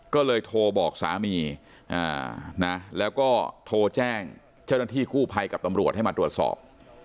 ก็เลยโทรบอกสามีนะแล้วก็โทรแจ้งเจ้าหน้าที่กู้ภัยกับตำรวจให้มาตรวจสอบ